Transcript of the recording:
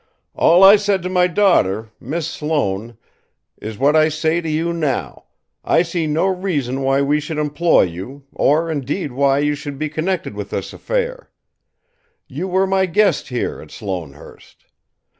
"All I said to my daughter, Miss Sloane, is what I say to you now: I see no reason why we should employ you, or indeed why you should be connected with this affair. You were my guest, here, at Sloanehurst.